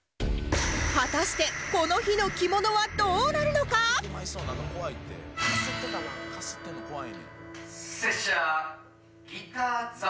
果たしてこの日の着物はどうなるのか？